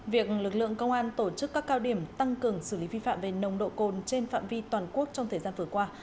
việc lực lượng công an tổ chức các cao điểm tăng cường xử lý vi phạm về nồng độ cồn trên phạm vi toàn quốc trong thời gian vừa qua